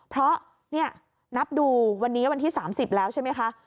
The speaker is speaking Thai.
เพราะนี่นับดูวันนี้วันที่๓๐แล้วใช่ไหมคะ